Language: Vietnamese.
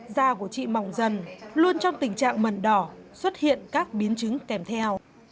da của chị mỏng dần luôn trong tình trạng mần đỏ xuất hiện các biến chứng kèm theo